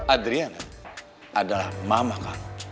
adriana adalah mama kamu